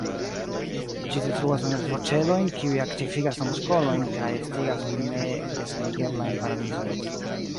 Ĝi detruas la nervoĉelojn, kiuj aktivigas la muskolojn, kaj estigas neresanigeblajn paralizojn.